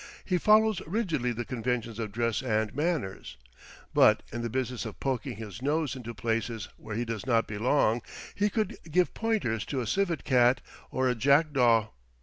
He follows rigidly the conventions of dress and manners; but in the business of poking his nose into places where he does not belong he could give pointers to a civet cat or a jackdaw.